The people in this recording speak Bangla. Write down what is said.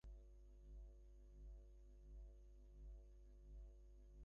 এখান থেকে গোলাম হোসেন পুলিশের চোখ ফাঁকি দিয়ে হাতকড়াসহ পালিয়ে যায়।